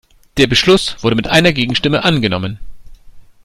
Der Beschluss wurde mit einer Gegenstimme angenommen.